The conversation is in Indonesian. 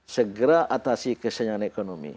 segera atasi kesenian ekonomi